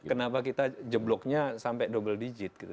kenapa kita jebloknya sampai double digit gitu